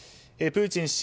プーチン氏